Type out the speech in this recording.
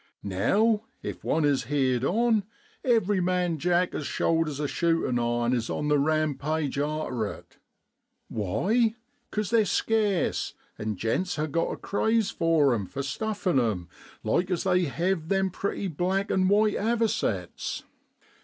Now, if one is heerd on, every man Jack as shoulders a shootin' iron is on the rampage arter it. Why ? 'Cos they're scarce, and gents ha' got a craze for 'em for stuffin' 'em, like as they hev them pretty black an' white avocets.